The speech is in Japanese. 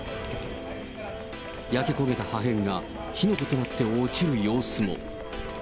焼け焦げた破片が火の粉となって落ちる様子も。